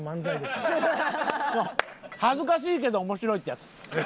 そう恥ずかしいけど面白いってやつ。